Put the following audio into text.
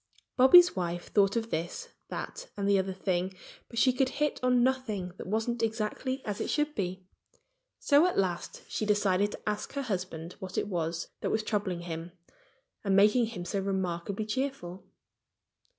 Bobby's wife thought of this, that and the other thing. But she could hit on nothing that wasn't exactly as it should be. So at last she decided to ask her husband what it was that was troubling him and making him so remarkably cheerful.